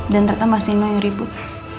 dan rata mas nino yang ribut